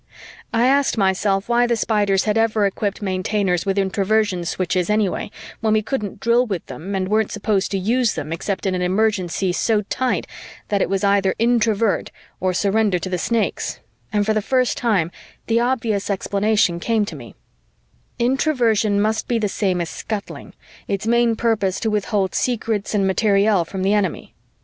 I asked myself why the Spiders had ever equipped Maintainers with Introversion switches anyway, when we couldn't drill with them and weren't supposed to use them except in an emergency so tight that it was either Introvert or surrender to the Snakes, and for the first time the obvious explanation came to me: Introversion must be the same as scuttling, its main purpose to withhold secrets and materiel from the enemy.